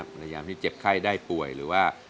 พยายามที่เจ็บไข้ได้ป่วยหรือว่า